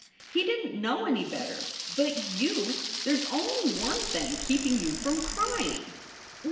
He didn t know any better. But you there s only one thing keeping you from crying."